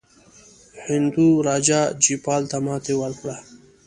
هندو راجا جیپال ته ماته ورکړه.